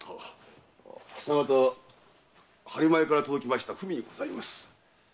今朝方播磨屋から届きました文にございます。